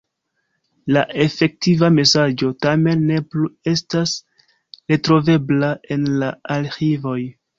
La efektiva mesaĝo tamen ne plu estas retrovebla en la arĥivoj.